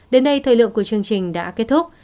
đến đây thời lượng của chương trình đã kết thúc